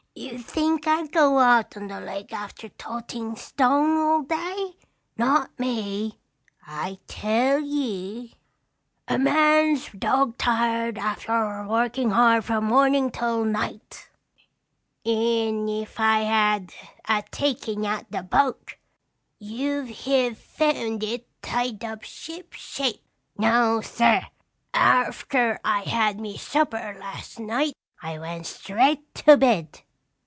"You think I'd go out on the lake after toting stone all day? Not me! I tell ye, a man's dog tired arfter workin' hard from mornin' till night. An' if I had a taken out the boat, you'd heve found it tied up ship shape. No, sir, arfter I had me supper last night, I went straight to bed."